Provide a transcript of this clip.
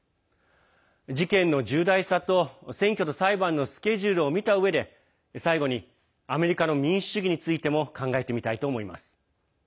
事件の重大さと、選挙と裁判のスケジュールを見たうえで最後にアメリカの民主主義についても考えてみたいと思います。